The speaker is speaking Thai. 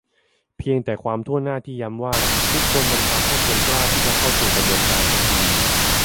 เพียงแต่ความถ้วนหน้าที่ย้ำว่า "ทุกคน" มันทำให้คนกล้าที่จะเข้าสู่กระบวนการสกรีน